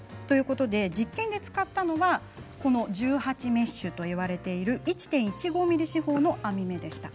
実験で使ったのが１８メッシュといわれている１．１５ｍｍ四方の網目でした。